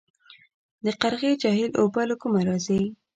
د قرغې جهیل اوبه له کومه راځي؟